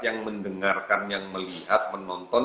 yang mendengarkan yang melihat menonton